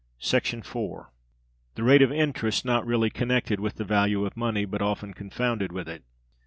§ 4. The Rate of Interest not really Connected with the value of Money, but often confounded with it.